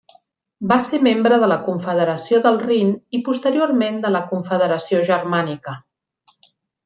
Va ser membre de la Confederació del Rin i posteriorment de la Confederació Germànica.